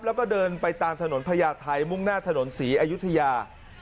แล้วก็เดินไปตามถนนพญาไทยมุ่งหน้าถนนศรีอยุธยา